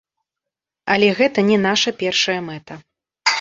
Але гэта не наша першая мэта.